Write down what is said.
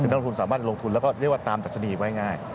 นักทุนสามารถลงทุนแล้วก็เรียกว่าตามดัชนีไว้ง่าย